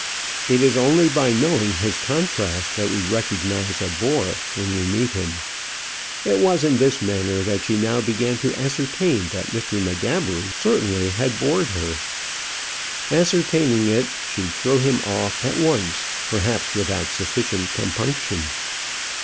It is only by knowing his contrast that we recognize a bore when we meet him. It was in this manner that she now began to ascertain that Mr. M'Gabbery certainly had bored her. Ascertaining it, she threw him off at once perhaps without sufficient compunction.